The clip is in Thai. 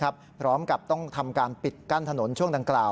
พร้อมกับต้องทำการปิดกั้นถนนช่วงดังกล่าว